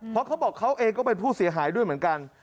เพราะเขาบอกเขาเองก็เป็นผู้เสียหายด้วยเหมือนกัน